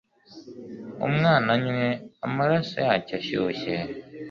umwana anywe amaraso yacyo ashyushye